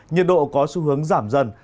nhiệt độ có xu hướng giảm dân